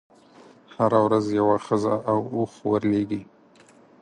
هره ورځ یوه ښځه او اوښ ورلېږي.